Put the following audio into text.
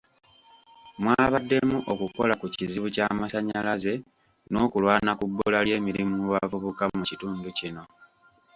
Mwabaddemu okukola ku kizibu ky'amasannyalaze n'okulwana ku bbula ly'emirimu mu bavubuka mu kitundu kino.